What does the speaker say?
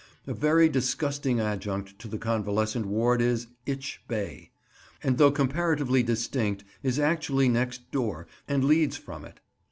A very disgusting adjunct to the convalescent ward is "Itch Bay," and though comparatively distinct, is actually next door, and leads from it.